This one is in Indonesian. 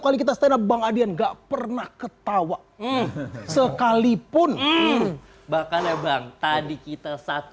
kali kita stand up bang adian enggak pernah ketawa sekalipun bahkan ya bang tadi kita satu